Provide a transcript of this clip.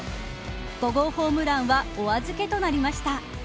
５号ホームランはおあずけとなりました。